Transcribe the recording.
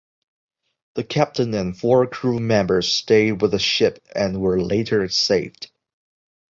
The captain and four crew members stayed with the ship and were later saved.